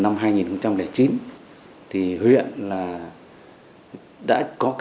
năm hai nghìn chín huyện đã có